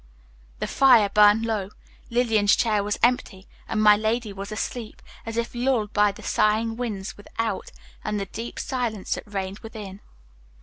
The fire burned low, Lillian's chair was empty, and my lady lay asleep, as if lulled by the sighing winds without and the deep silence that reigned within.